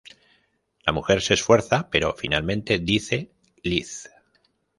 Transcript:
La mujer se esfuerza, pero finalmente dice "Liz".